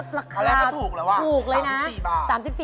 อันแรกก็ราคาถูกเลยว่ะ๓๔บาท